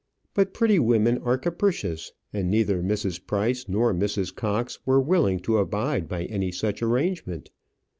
But pretty women are capricious, and neither Mrs. Price nor Mrs. Cox were willing to abide by any such arrangement.